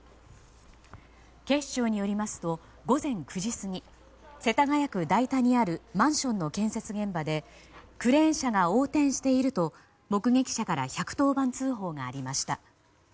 警視庁によりますと午前９時過ぎ世田谷区代田にあるマンションの建設現場でクレーン車が横転していると目撃者から１１０番通報がありました。